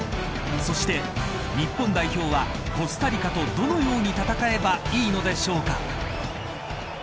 そして日本代表はコスタリカと、どのように戦えばいいのでしょうか。